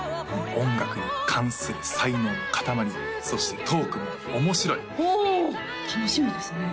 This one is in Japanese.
音楽に関する才能の塊そしてトークも面白いほう楽しみですね